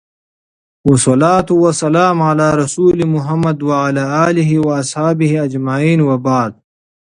والصلوة والسلام على رسوله محمد وعلى اله واصحابه اجمعين وبعد